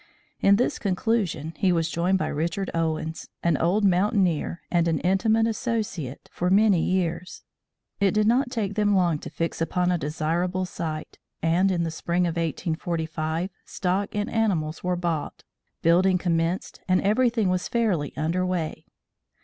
In this conclusion he was joined by Richard Owens, an old mountaineer and an intimate associate for many years. It did not take them long to fix upon a desirable site, and, in the spring of 1845, stock and animals were bought, building commenced and everything was fairly under way.